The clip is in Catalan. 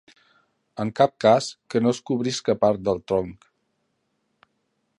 En cap cas, que no es cobrisca part del tronc.